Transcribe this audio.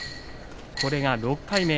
これが６回目。